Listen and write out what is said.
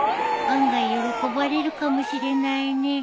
案外喜ばれるかもしれないね